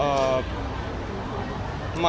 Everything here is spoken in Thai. เวลาแพนงาน